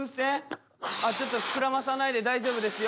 あっちょっと膨らまさないで大丈夫ですよ。